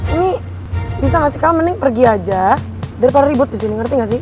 ini bisa nggak sih kang mending pergi aja daripada ribut disini ngerti gak sih